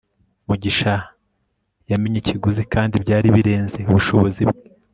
mugisha yamenye ikiguzi kandi byari birenze ubushobozi bwe